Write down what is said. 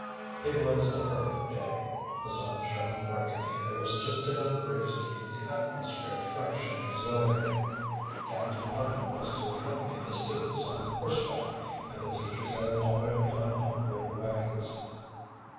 It was a perfect day. The sun shone brightly, and there was just enough breeze to keep the atmosphere fresh and exhilarating. Captain Putnam was to accompany the students on horseback, and the teachers had already gone off with the wagons.